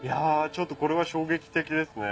ちょっとこれは衝撃的ですね。